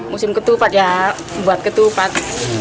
musim ketupat ya buat ketupat